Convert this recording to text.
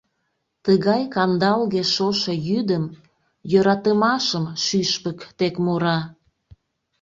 Тыгай кандалге шошо йӱдым Йӧратымашым шӱшпык тек мура.